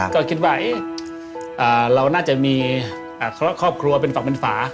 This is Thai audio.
ก็คิดว่าเราน่าจะมีครอบครัวเป็นฝั่งเป็นฝา